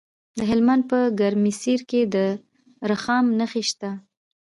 د هلمند په ګرمسیر کې د رخام نښې شته.